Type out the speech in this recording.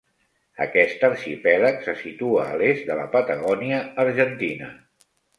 Aquest arxipèlag se situa a l'est de la Patagònia argentina.